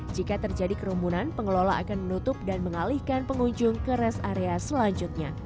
jika terjadi kerumunan pengelola akan menutup dan mengalihkan pengunjung ke rest area selanjutnya